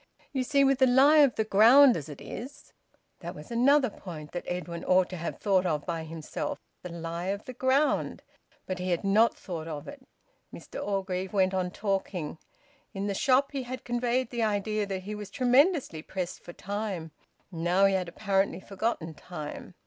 "You see with the lie of the ground as it is " That was another point that Edwin ought to have thought of by himself the lie of the ground but he had not thought of it. Mr Orgreave went on talking. In the shop he had conveyed the idea that he was tremendously pressed for time; now he had apparently forgotten time.